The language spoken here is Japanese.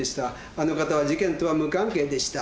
あの方は事件とは無関係でした。